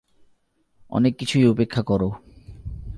অনেককিছুই উপেক্ষা করো।